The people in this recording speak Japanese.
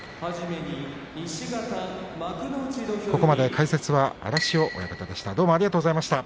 ここまで解説は荒汐親方でした。